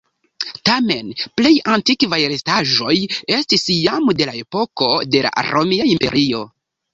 Tamen plej antikvaj restaĵoj estis jam de la epoko de la Romia Imperio.